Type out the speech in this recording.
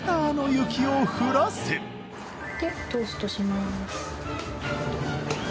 トーストします